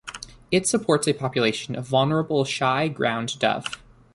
It supports a population of vulnerable Shy Ground-dove.